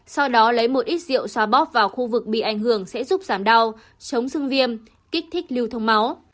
sau đó lấy một ít rượu xoa bóp vào khu vực bị ảnh hưởng sẽ giúp giảm đau chống sưng viêm kích thích lưu thông máu